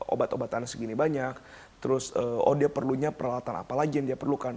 obat obatan segini banyak terus oh dia perlunya peralatan apa lagi yang dia perlukan